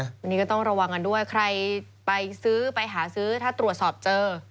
อันนี้ก็ต้องระวังกันด้วยใครไปซื้อไปหาซื้อถ้าตรวจสอบเจอ